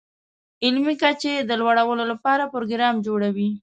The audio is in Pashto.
علمي کچې د لوړولو لپاره پروګرام جوړوي.